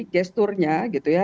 gesturnya gitu ya